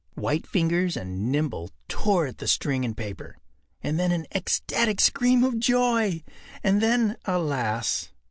” White fingers and nimble tore at the string and paper. And then an ecstatic scream of joy; and then, alas!